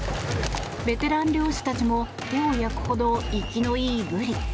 ベテラン漁師たちも手を焼くほど生きのいいブリ。